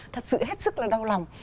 thật sự hết sức là đau lòng